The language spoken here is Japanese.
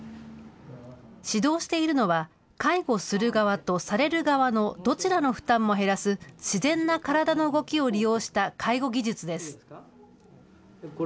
指導しているのは、介護する側とされる側のどちらの負担も減らす、自然な体の動きを利用した介護技術です。